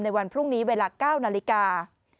วันพรุ่งนี้เวลา๙นาฬิกา